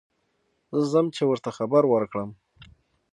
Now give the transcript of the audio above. زه ځم چې ور ته خبر ور کړم.